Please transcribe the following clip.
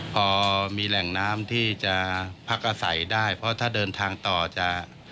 พอมีแหล่งน้ำที่จะพักอาศัยได้เพราะถ้าเดินทางต่อจะ